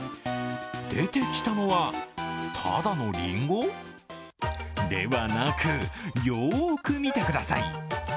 出てきたのは、ただのりんご？ではなく、よーく見てください。